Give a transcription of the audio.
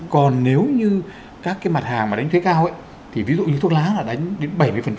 còn nếu như các cái mặt hàng mà đánh thuế cao thì ví dụ như thuốc lá là đánh đến bảy mươi